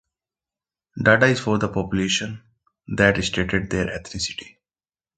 Data is for the population that stated their ethnicity.